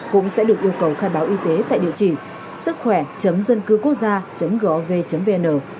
cũng sẽ được yêu cầu khai báo y tế tại địa chỉ sứckhoẻ dâncưuquốc gia gov vn